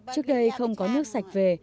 trước đây không có nước sạch về